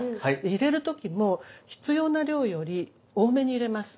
入れる時も必要な量より多めに入れます。